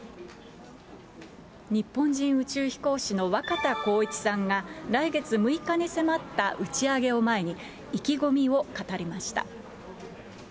日本人宇宙飛行士の若田光一さんが、来月６日に迫った打ち上げを前に、意気込みを語りました。